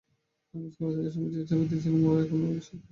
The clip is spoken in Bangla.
আমি স্কুলে থাকার সময়ে যে চাপা দিয়েছিলাম ওরা তা এখনো বিশ্বাস করে।